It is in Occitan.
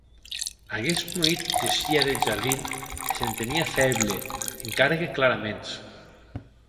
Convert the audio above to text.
Aguest bronit gessie deth jardin e s’entenie fèble, encara que claraments.